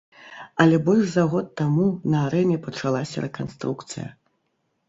Але больш за год таму на арэне пачалася рэканструкцыя.